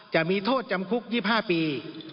จะมีโทษจำคุก๒๕ปี